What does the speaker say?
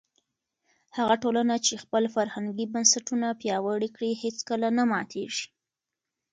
هغه ټولنه چې خپل فرهنګي بنسټونه پیاوړي کړي هیڅکله نه ماتېږي.